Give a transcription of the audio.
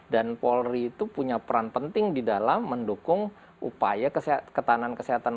dan polri itu punya peran penting di dalam mendukung upaya ketahanan kesehatan masyarakat tadi